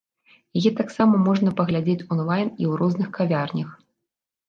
Яе таксама можна паглядзець онлайн і ў розных кавярнях.